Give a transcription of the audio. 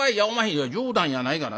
「いや冗談やないがな。